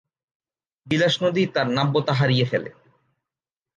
বিলাস নদী তার নাব্যতা হারিয়ে ফেলে।